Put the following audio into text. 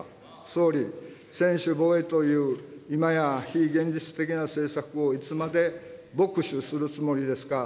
総理、専守防衛という今や非現実的な政策をいつまで墨守するつもりですか。